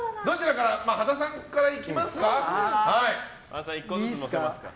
羽田さんからいきますか。